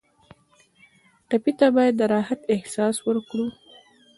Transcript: ټپي ته باید د راحت احساس ورکړو.